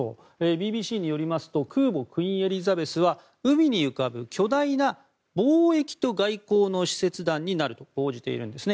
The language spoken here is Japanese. ＢＢＣによりますと空母「クイーン・エリザベス」は海に浮かぶ巨大な貿易と外交の使節団になると報じているんですね。